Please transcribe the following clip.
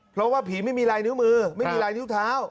เพราะว่าผีไม่มีลายนิ้วมือไม่มีลายนิ้วเท้า